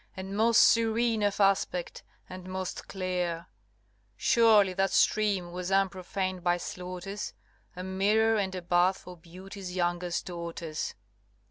And most serene of aspect, and most clear: Surely that stream was unprofaned by slaughters, A mirror and a bath for Beauty's youngest daughters!